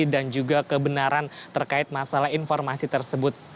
dan juga kebenaran terkait masalah informasi tersebut